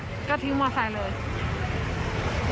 อืมก็ทิ้งมอเตอร์ไซค์เลย